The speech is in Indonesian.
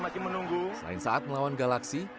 selain saat melawan galaksi